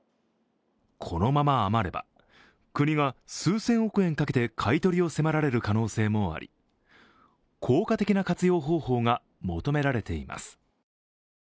このまま余れば国が数千億円かけて買い取りを迫られる可能性もあり、効果的な活用方法が求められています。